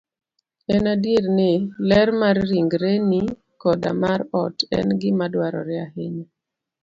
En adier ni, ler mar ringreni koda mar ot, en gima dwarore ahinya.